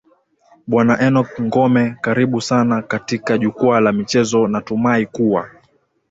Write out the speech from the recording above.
bwana enock ngome karibu sana katika jukwaa la michezo natumai kuwa